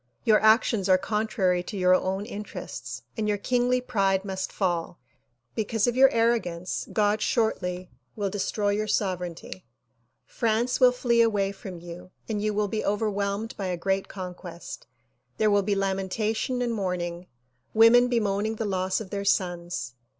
Your actions are contrary to your own interests and your kingly pride must fall. Because of your arrogance God shortly will destroy your sovereignty. France will flee away from you and you will be overwhelmed by a great conquest. There will be lamentation and mourning, women bemoaning the loss of their sons."